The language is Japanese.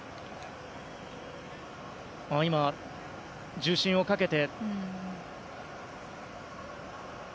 重心をかけて。